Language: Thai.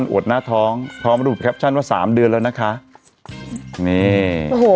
วดหน้าท้องพร้อมรูปแคปชั่นว่าสามเดือนแล้วนะคะนี่โอ้โห